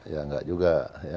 ya nggak juga